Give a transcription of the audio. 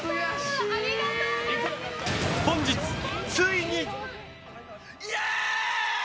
本日、ついに。